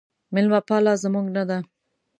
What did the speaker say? میلمه پاله زموږ نه ده